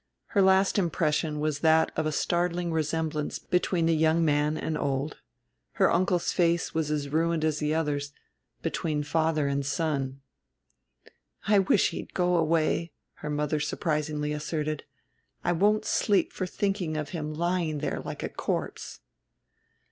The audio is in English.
Her last impression was that of a startling resemblance between the young man and old her uncle's face was as ruined as the other's between father and son. "I wish he'd go away," her mother surprisingly asserted; "I won't sleep for thinking of him lying there like a corpse."